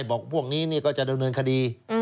ก็บอกพวกนี้มันจะดูแลตัวคดี